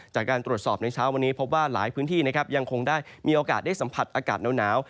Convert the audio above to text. จากการตรวจสอบในเช้าวันนี้พบว่าหลายพื้นที่นะครับยังคงได้มีโอกาสได้สัมผัสอากาศหนาว